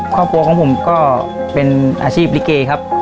ครอบครัวของผมก็เป็นอาชีพลิเกครับ